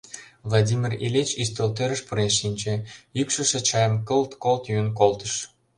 Владимир Ильич ӱстелтӧрыш пурен шинче, йӱкшышӧ чайым колт-колт йӱын колтыш.